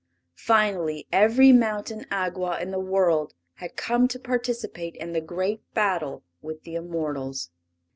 Finally, every mountain Awgwa in the world had come to participate in the great battle with the immortals.